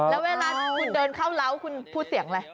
แล้วเวลาคุณเดินเข้าเล้าคุณพูดเสียงอะไร